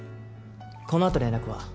このあと連絡は？